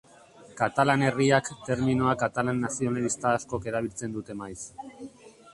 Katalan Herriak terminoa katalan nazionalista askok erabiltzen dute maiz.